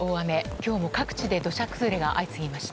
今日も各地で土砂崩れが相次ぎました。